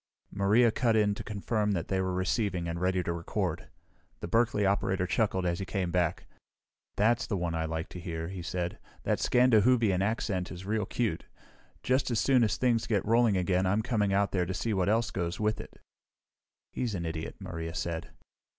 Maria cut in to confirm that they were receiving and ready to record. The Berkeley operator chuckled as he came back. "That's the one I like to hear," he said. "That 'Scandahoovian' accent is real cute. Just as soon as things get rolling again I'm coming out there to see what else goes with it." "He's an idiot," Maria said.